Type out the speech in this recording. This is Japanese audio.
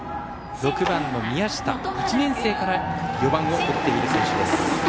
６番、宮下は１年生から４番を打っている選手です。